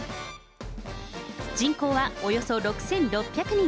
人口はおよそ６６００人。